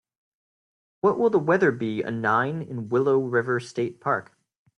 What will the weather be a nine in Willow River State Park?